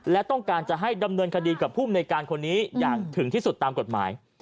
และต้องการจะให้ดำเนินคดีกับภูมิในการคนนี้อย่างถึงที่สุดตามกฎหมาย